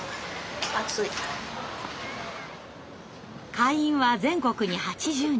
会員は全国に８０人。